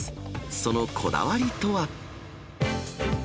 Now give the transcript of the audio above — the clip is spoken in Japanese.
そのこだわりとは。